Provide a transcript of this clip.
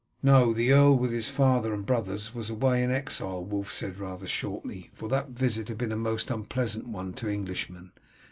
"No, the earl with his father and brothers was away in exile," Wulf said rather shortly, for that visit had been a most unpleasant one to Englishmen.